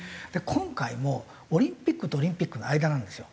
今回もオリンピックとオリンピックの間なんですよ。